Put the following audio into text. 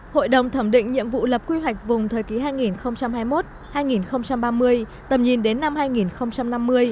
hội đồng thẩm định nhiệm vụ lập quy hoạch vùng thời kỳ hai nghìn hai mươi một hai nghìn ba mươi tầm nhìn đến năm hai nghìn năm mươi